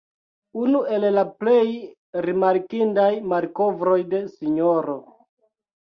Unu el la plej rimarkindaj malkovroj de Sro.